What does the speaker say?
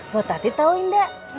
po tati tau indah